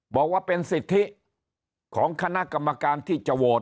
บอกว่าเป็นสิทธิ